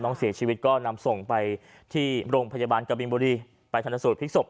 น้องเสียชีวิตก็นำส่งไปที่โรงพยาบาลกบินบุรีไปทันสูตพลิกศพ